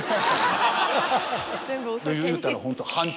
言うたらホント。